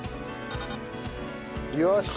よし！